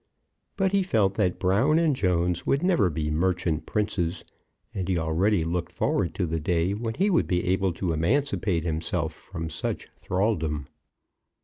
But he felt that Brown and Jones would never be Merchant Princes, and he already looked forward to the day when he would be able to emancipate himself from such thraldom.